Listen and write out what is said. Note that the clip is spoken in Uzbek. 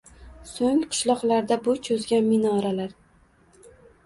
So‘ng qishloqlarda bo‘y cho‘zgan minoralar